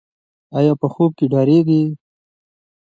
ایا په خوب کې ډاریږي؟